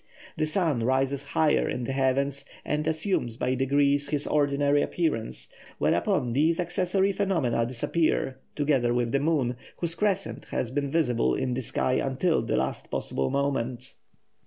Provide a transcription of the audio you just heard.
The sun rises higher in the heavens and assumes by degrees his ordinary appearance, whereupon these accessory phenomena disappear, together with the moon, whose crescent has been visible in the sky until the last possible moment."